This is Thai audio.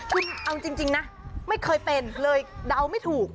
คือเอาจริงนะไม่เคยเป็นเลยเดาไม่ถูก